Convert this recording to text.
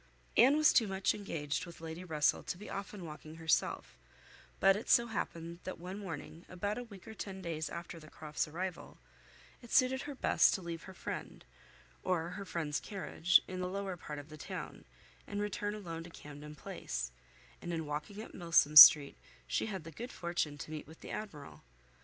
Anne was too much engaged with Lady Russell to be often walking herself; but it so happened that one morning, about a week or ten days after the Croft's arrival, it suited her best to leave her friend, or her friend's carriage, in the lower part of the town, and return alone to Camden Place, and in walking up Milsom Street she had the good fortune to meet with the Admiral.